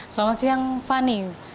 selamat siang fani